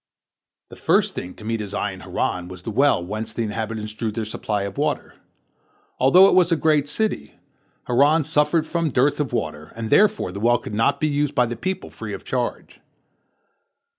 The first thing to meet his eye in Haran was the well whence the inhabitants drew their supply of water. Although it was a great city, Haran suffered from dearth of water, and therefore the well could not be used by the people free of charge.